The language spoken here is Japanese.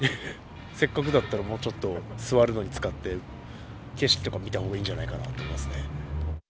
せっかくだったら、もうちょっと、座るのに使って、景色とか見たほうがいいんじゃないかなと思いますね。